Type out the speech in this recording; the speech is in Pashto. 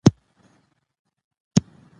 نه کنجوس اوسئ نه مسرف.